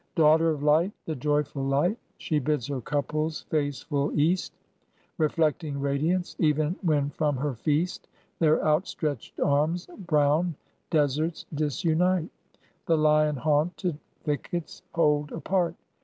Daughter of light, the joyful light, She bids her couples face full East, Reflecting radiance, even when from her feast Their outstretched arms brown deserts disunite, The lion haunted thickets hold apart.